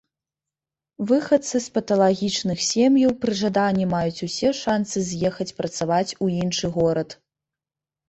Выхадцы з паталагічных сем'яў пры жаданні маюць усе шанцы з'ехаць працаваць у іншы горад.